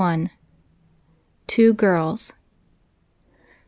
TWO GIRLS.